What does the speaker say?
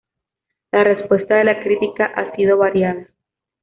La respuesta de la crítica ha sido variada.